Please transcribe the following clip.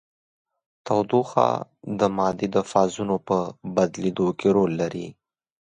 تودوخه د مادې د فازونو په بدلیدو کې رول لري.